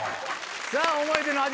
さぁ思い出の味